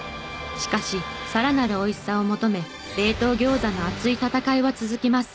しかしさらなる美味しさを求め冷凍ギョーザの熱い戦いは続きます。